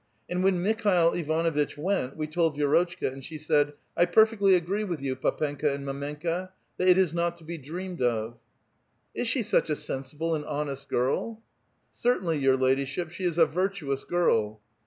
And when Mikhail Ivanuitch went, we told Vi6rotchka, and she said, ' I perfectly agree with you, j^dpenka and mdtneuka, that it is not to be dreamed of.'" '* Is she such a sensible and honest girl? *'" Certainly, your ladyship, she is a virtuous girl."